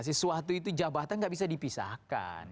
sesuatu itu jabatan gak bisa dipisahkan